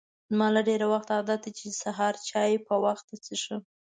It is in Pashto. زما له ډېر وخته عادت دی چې سهار چای په وخته څښم.